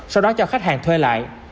sau đó cho khách hàng thuê lại